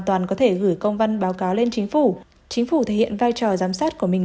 toàn có thể gửi công văn báo cáo lên chính phủ chính phủ thể hiện vai trò giám sát của mình